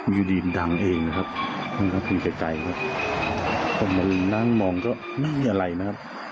ยูดีมดังเองนะครับมันก็มีใกล้ใกล้นะผมมานั่งมองก็ไม่มีอะไรนะครับ